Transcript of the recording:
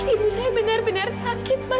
ibu saya benar benar sakit